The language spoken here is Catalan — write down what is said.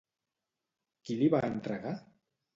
Qui li va entregar?